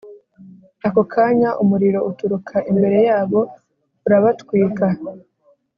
Ako kanya umuriro uturuka imbere yabo urabatwika